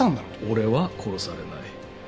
俺は殺されない。